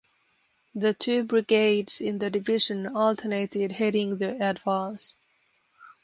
The two brigades in the division alternated heading the advance.